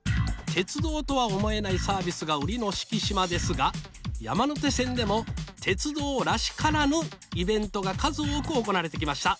鉄道とは思えないサービスが売りの四季島ですが山手線でも鉄道らしからぬイベントが数多く行われてきました。